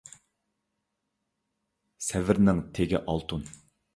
سەۋرنىڭ تېگى ئالتۇن.